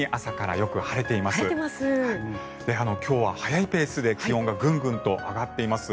今日は早いペースで気温がグングンと上がっています。